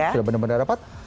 sudah benar benar rapat